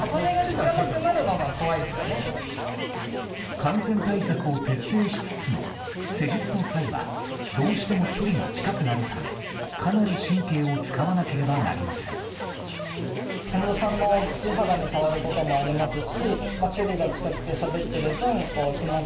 感染対策を徹底しつつも施術の際はどうしても距離が近くなるためかなり神経を使わなければなりません。